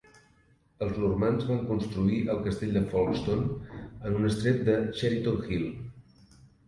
Els normands van construir el castell Folkestone en un estrep de Cheriton Hill.